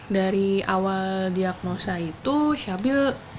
dari awal diagnosa itu syabil